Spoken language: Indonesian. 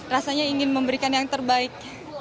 rasanya ingin memberikan yang terbaik